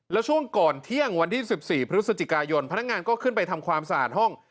แล้วช่วงก่อนเที่ยงวันที่๑๔พฤศจิกายนพนักงานก็ขึ้นไปทำความสะอาดห้อง